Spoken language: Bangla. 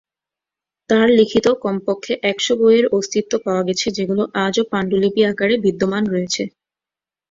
তাঁর লিখিত কমপক্ষে একশো বইয়ের অস্তিত্ব পাওয়া গেছে যেগুলো আজও পাণ্ডুলিপি আকারে বিদ্যমান রয়েছে।